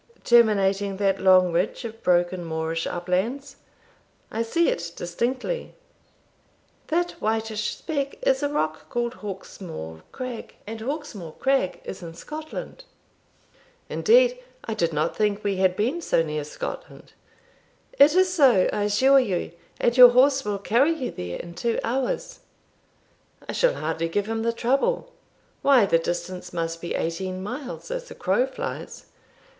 "Terminating that long ridge of broken moorish uplands? I see it distinctly." "That whitish speck is a rock called Hawkesmore crag, and Hawkesmore crag is in Scotland." "Indeed! I did not think we had been so near Scotland." "It is so, I assure you, and your horse will carry you there in two hours." "I shall hardly give him the trouble; why, the distance must be eighteen miles as the crow flies."